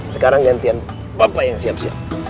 sekarang gantian bapak yang siap siap